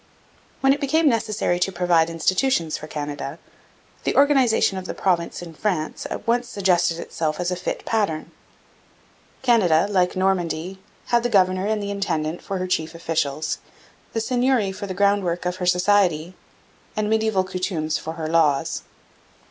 When it became necessary to provide institutions for Canada, the organization of the province in France at once suggested itself as a fit pattern. Canada, like Normandy, had the governor and the intendant for her chief officials, the seigneury for the groundwork of her society, and mediaeval coutumes for her laws.